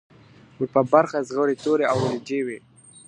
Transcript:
ور په برخه زغري توري او ولجې وې .